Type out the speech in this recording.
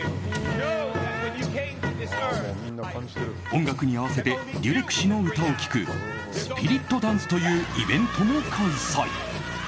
音楽に合わせてデュレク氏の歌を聴くスピリット・ダンスというイベントも開催。